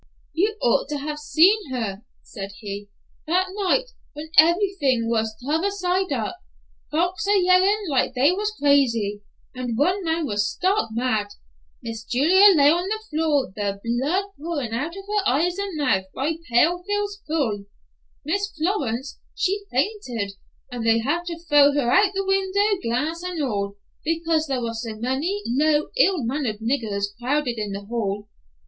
"You ought to have seen her," said he, "that night when every thing was t'other side up; folks a yellin' like they was crazy, and one man was stark mad. Miss Julia lay on the floor, the blood pourin' out of her eyes and mouth by pails full; Miss Florence, she fainted, and they had to throw her out the window, glass and all, because there was so many low, ill mannered niggers crowded in the hall."